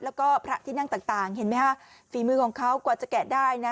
แล้วก็พระที่นั่งต่างเห็นไหมฮะฝีมือของเขากว่าจะแกะได้นะ